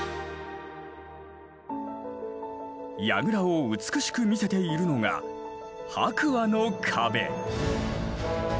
櫓を美しく見せているのが白亜の壁。